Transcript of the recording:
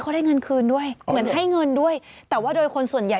ตอนนี้เธอหัวให้หาว่าหยุดไหม